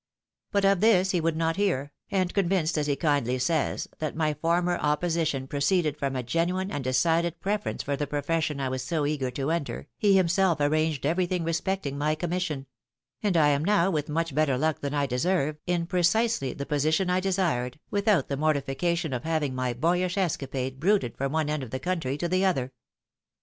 But of this he would not hear ; and convinced, as he kindly says, that my former op position proceeded from a genuine and decided preference for the profession I was so eager to enter, he himself arranged everything respecting my commission; and I am now, with much better luck than I deserve, in precisely the position I desired, without the mortification of having my boyish escapade bruited from one end of the country to. the other.